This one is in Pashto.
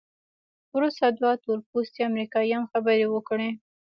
وروسته دوه تورپوستي امریکایان خبرې وکړې.